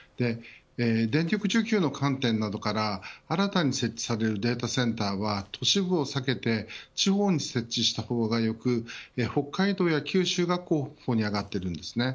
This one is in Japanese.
電力需給の観点などから新たに設置されるデータセンターは都市部を避けて地方に設置した方が良く北海道や九州が候補に挙がっているんですね。